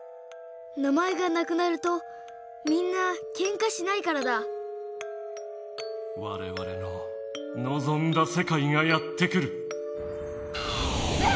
名前がなくなるとみんなけんかしないからだわれわれののぞんだせかいがやって来る。